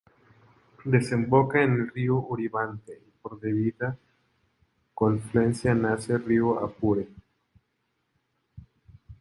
Desemboca en el Río Uribante y por debida confluencia nace el Río Apure.